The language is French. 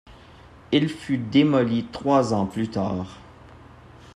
Il fut démoli trois ans plus tard.